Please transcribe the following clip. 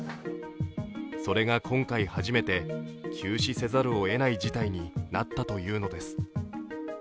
それが今回初めて休止せざるをえない事態になったというのです。